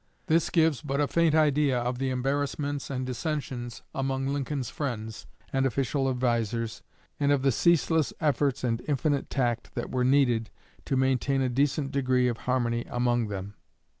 This gives but a faint idea of the embarrassments and dissensions among Lincoln's friends and official advisers, and of the ceaseless efforts and infinite tact that were needed to maintain a decent degree of harmony among them.